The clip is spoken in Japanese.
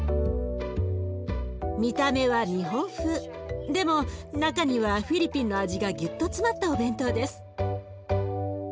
見た目は日本風でも中にはフィリピンの味がギュッと詰まったお弁当です。